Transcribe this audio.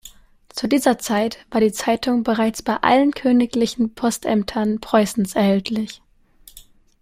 Zu dieser Zeit war die Zeitung bereits bei allen königlichen Postämtern Preußens erhältlich.